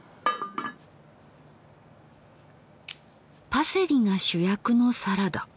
パセリが主役のサラダ。